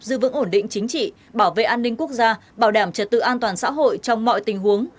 giữ vững ổn định chính trị bảo vệ an ninh quốc gia bảo đảm trật tự an toàn xã hội trong mọi tình huống